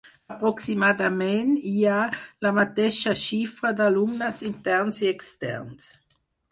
Aproximadament hi ha la mateixa xifra d'alumnes interns i externs.